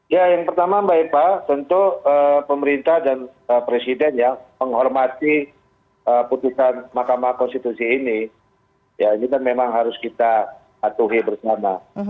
ya yang pertama mbak eva tentu pemerintah dan presiden ya menghormati putusan mahkamah konstitusi ini ya ini kan memang harus kita atuhi bersama